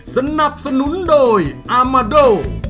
สนับสนุนโดยอามาโด